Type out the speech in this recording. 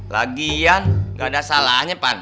lagian gak ada salahnya pan